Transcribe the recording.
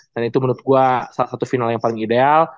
dan itu menurut gue salah satu final yang paling ideal